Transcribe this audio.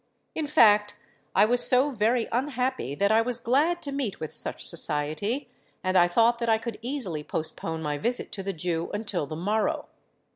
In fact, I was so very unhappy that I was glad to meet with such society; and I thought that I could easily postpone my visit to the Jew until the morrow.